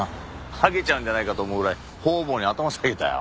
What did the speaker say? はげちゃうんじゃないかと思うぐらい方々に頭下げたよ。